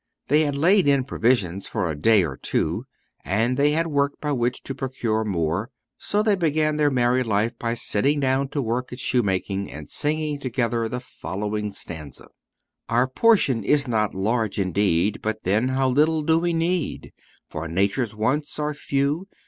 They had laid in provisions for a day or two, and they had work by which to procure more, so they began their married life by sitting down to work at shoemaking and singing together the following stanza: "Our portion is not large indeed, But then how little do we need! For nature's wants are few.